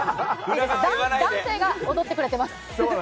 男性が踊ってくれてます。